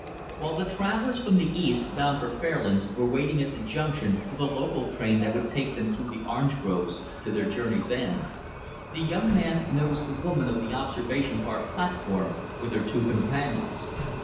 While the travelers from the East, bound for Fairlands, were waiting at the Junction for the local train that would take them through the orange groves to their journey's end, the young man noticed the woman of the observation car platform with her two companions.